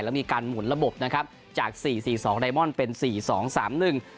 แล้วมีการหมุนระบบนะครับจากสี่สี่สองไรมอนด์เป็นสี่สองสามหนึ่ง